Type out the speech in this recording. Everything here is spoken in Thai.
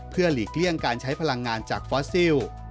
เพื่อหลีกเลี่ยงการใช้พลังงานจากฟอสซิล